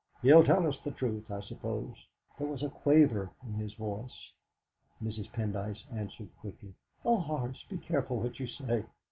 He'll tell us the truth, I suppose." There was a quaver in his voice. Mrs. Pendyce answered quickly: "Oh, Horace, be careful what you say!